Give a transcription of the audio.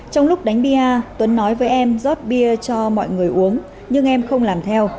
trong lúc đánh bia tuấn nói với em rót bia cho mọi người uống nhưng em không làm theo